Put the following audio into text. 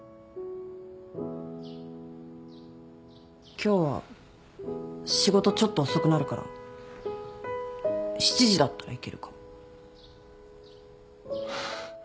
今日は仕事ちょっと遅くなるから７時だったら行けるかも。